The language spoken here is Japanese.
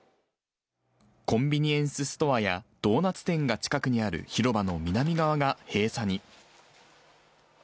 コンビニエンスストアやドーナツ店が近くにある広場の南側が閉鎖に。